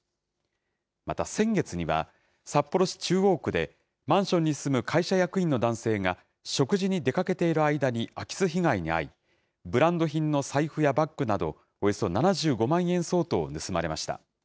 また先月には、札幌市中央区で、マンションに住む会社役員の男性が、食事に出かけている間に空き巣被害に遭い、ブランド品の財布やバッグなど、およそ７５万円相当を盗まれました。